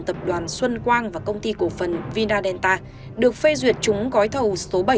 tập đoàn xuân quang và công ty cổ phần vinadenta được phê duyệt trúng gói thầu số bảy